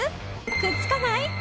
くっつかない？